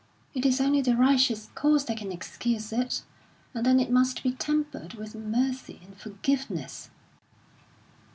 It is only the righteous cause that can excuse it; and then it must be tempered with mercy and forgiveness."